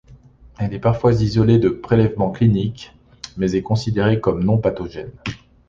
Elle est parfois isolée de prélèvements cliniques mais est considérée comme non pathogène.